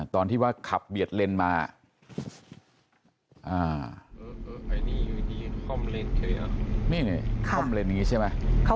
ตอนที่ว่าขับเบียดเลนมา